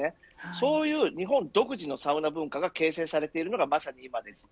そういう日本独自のサウナ文化が形成されているのがまさに、今です。